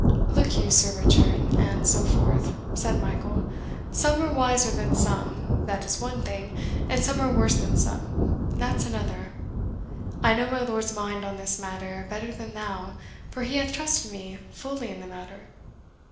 "Look you, Sir Richard, and so forth," said Michael, "some are wiser than some, that is one thing, and some are worse than some, that's another. I know my lord's mind on this matter better than thou, for he hath trusted me fully in the matter.